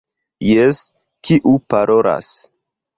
Jes, kiu parolas?